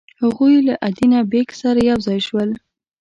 هغوی له ادینه بېګ سره یو ځای شول.